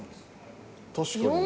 確かに。